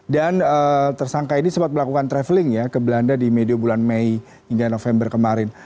dan tersangka ini sempat melakukan traveling ya ke belanda di mediu bulan mei hingga november kemarin